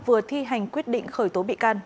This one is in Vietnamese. vừa thi hành quyết định khởi tố bị can